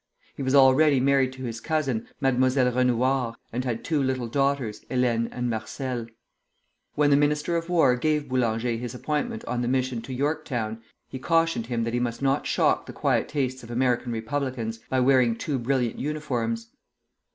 He was already married to his cousin, Mademoiselle Renouard, and had two little daughters, Hélène and Marcelle. When the Minister of War gave Boulanger his appointment on the mission to Yorktown, he cautioned him that he must not shock the quiet tastes of American republicans by wearing too brilliant uniforms.